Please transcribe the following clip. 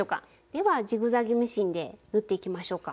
ではジグザグミシンで縫っていきましょうか。